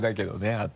あと。